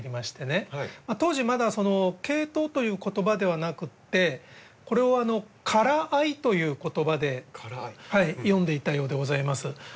当時まだ「ケイトウ」という言葉ではなくてこれを「韓藍」という言葉で呼んでいたようでございます。